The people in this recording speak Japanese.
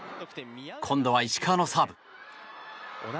今度は石川のサーブ。